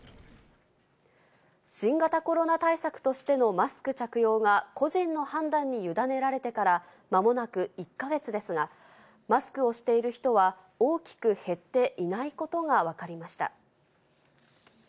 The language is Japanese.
新型コロナ対策としてのマスク着用が個人の判断に委ねられてから、まもなく１か月ですが、マスクをしている人は大きく減っていないことが分かりました。